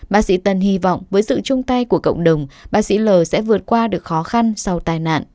bác sĩ tân hy vọng với sự chung tay của cộng đồng bác sĩ l sẽ vượt qua được khó khăn sau tai nạn